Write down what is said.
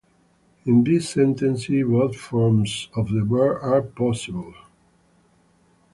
In this sentence, both forms of the verb are possible.